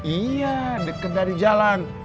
iya deket dari jalan